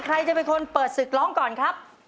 ใครจะเป็นคนเปิดศึกร้องก่อนครับ